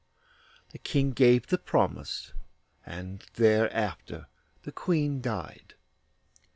The King gave the promise, and thereafter the Queen died.